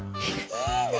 いいね。